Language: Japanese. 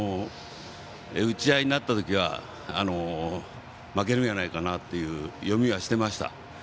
打ち合いになった時は負けるんじゃないかなという読みはしていました。